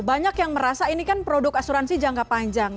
banyak yang merasa ini kan produk asuransi jangka panjang